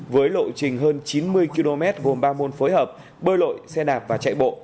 với lộ trình hơn chín mươi km gồm ba môn phối hợp bơi lội xe đạp và chạy bộ